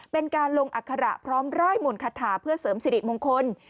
เป็นการลงอัคระพร้อมร่ายหม่นคาถาเพื่อเสริมสิริมงคล